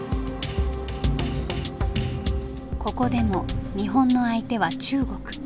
ここでも日本の相手は中国。